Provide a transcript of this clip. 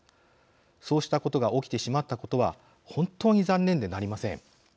そうしたことが起きてしまったことは本当に残念でなりません。